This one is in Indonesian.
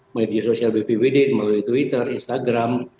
media sosial bpbd melalui twitter instagram